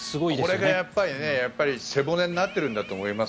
これが背骨になっているんだと思います。